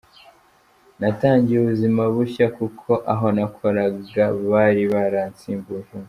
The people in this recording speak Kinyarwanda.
Natangiye ubuzima bushya kuko aho nakoraga bari baransimbuje undi.